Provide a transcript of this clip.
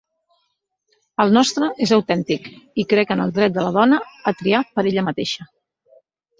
El nostre és autèntic i crec en el dret de la dona a triar per ella mateixa.